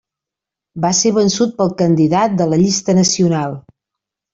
Va ser vençut pel candidat de la Llista Nacional.